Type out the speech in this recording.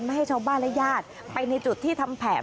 ให้ชาวบ้านและญาติไปในจุดที่ทำแผน